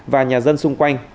và nhà dân xung quanh